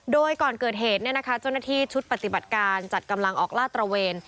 โดยก่อนเกิดเหตุเจ้าหน้าที่ชุดปฏิบัติการจัดกำลังออกลาดตระเวน